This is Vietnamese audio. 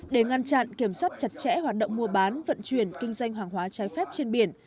để ngăn chặn kiểm soát chặt chẽ hoạt động mua bán vận chuyển kinh doanh hàng hóa trái phép trên biển